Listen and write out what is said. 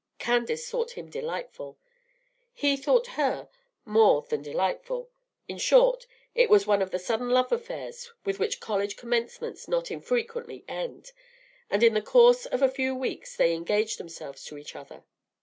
Candace thought him delightful; he thought her more than delightful. In short, it was one of the sudden love affairs with which college commencements not infrequently end, and in the course of a few weeks they engaged themselves to each other.